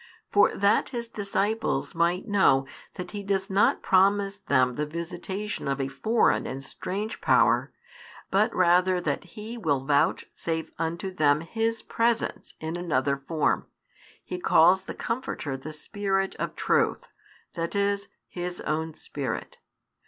For that His disciples might know that He does not promise them the visitation of a foreign and strange power, but rather that He will vouchsafe unto them His Presence in another form, He calls the |451 Comforter the Spirit of Truth, that is, His own Spirit.